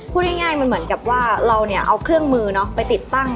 พูดง่ายมันเหมือนกับว่าเราเนี่ยเอาเครื่องมือไปติดตั้ง